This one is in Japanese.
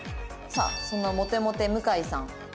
さあそんなモテモテ向さん。